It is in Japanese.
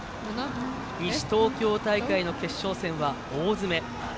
西東京大会の決勝戦は大詰め。